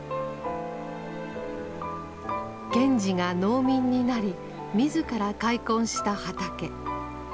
賢治が農民になり自ら開墾した畑。